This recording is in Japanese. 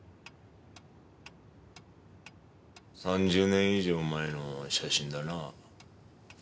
３０年以上前の写真だな。